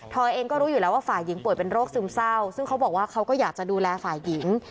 เองก็รู้อยู่แล้วว่าฝ่ายหญิงป่วยเป็นโรคซึมเศร้าซึ่งเขาบอกว่าเขาก็อยากจะดูแลฝ่ายหญิง